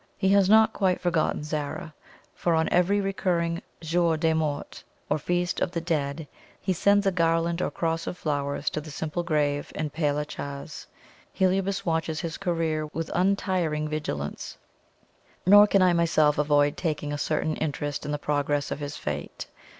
He has not quite forgotten Zara; for on every recurring Jour des Morts, or Feast of the Dead, he sends a garland or cross of flowers to the simple grave in Pere la Chaise. Heliobas watches his career with untiring vigilance; nor can I myself avoid taking a certain interest in the progress of his fate.